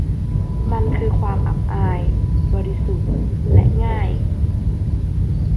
มันคือความอับอาย บริสุทธิ์และง่าย